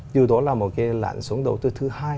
điều đó là một cái lãnh sống đầu tư thứ hai